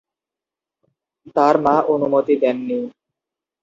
তাঁর মা অনুমতি দেননি।